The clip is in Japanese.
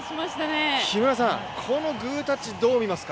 木村さん、このグータッチ、どう見ますか？